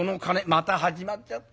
「また始まっちゃった。